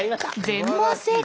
全問正解！